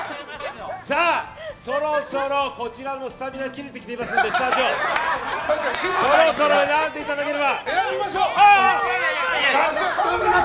そろそろこちらもスタミナ切れてきていますのでそろそろ選んでいただければ。